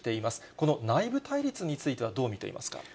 この内部対立についてはどう見ていますか。